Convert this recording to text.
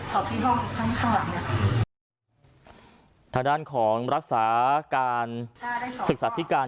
สอบที่ห้องทั้งข้างหลังเนี่ยทางด้านของรักษาการสึกศาสตร์ที่การ